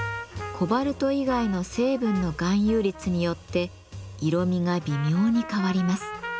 コバルト以外の成分の含有率によって色みが微妙に変わります。